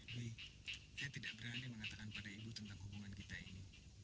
dwi saya tidak berani mengatakan pada ibu tentang hubungan kita ini